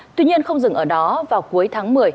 tuy nhiên không dừng ở đó vào cuối tháng một mươi